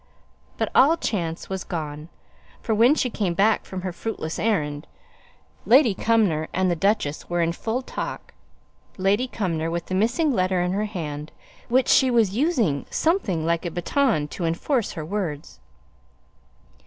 But all chance was gone; for when she came back from her fruitless errand, Lady Cumnor and the duchess were in full talk, Lady Cumnor with the missing letter in her hand, which she was using something like a baton to enforce her words.